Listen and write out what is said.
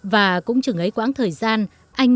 và đối xử của verk